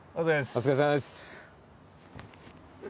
お疲れさまです。